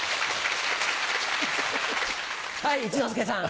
はい一之輔さん。